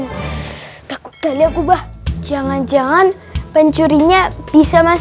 gubah jangan jangan pencurinya bisa masuk ke rumah kita jangan jangan pencurinya bisa masuk ke rumah kita